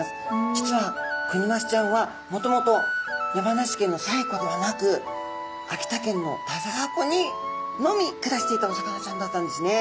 実はクニマスちゃんはもともと山梨県の西湖ではなく秋田県の田沢湖にのみ暮らしていたお魚ちゃんだったんですね。